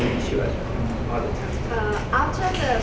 พวกมันจัดสินค้าที่๖นาทีถึง๖นาที